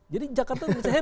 jadi jakarta bisa happy